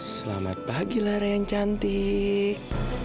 selamat pagi lara yang cantik